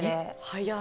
早い。